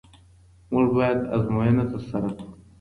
موږ باید آزموینه ترسره کړو.